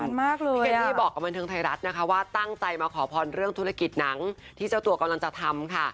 พี่เคนดี้บอกกับบันเทิงไทยรัฐนะคะว่าตั้งใจมาขอพรเรื่องธุรกิจหนังที่เจ้าตัวกำลังจะทำค่ะ